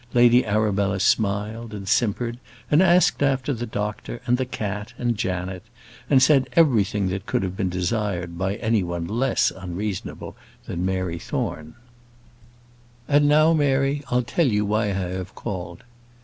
Lady Arabella smiled and simpered, and asked after the doctor, and the cat, and Janet, and said everything that could have been desired by any one less unreasonable than Mary Thorne. "And now, Mary, I'll tell you why I have called."